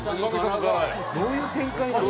どういう展開なの？